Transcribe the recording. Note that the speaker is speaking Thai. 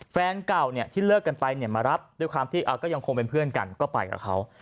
แฟนเก่าที่เลิกกันมารับด้วยความยังคงเป็นเพื่อนก็ไปกับเขา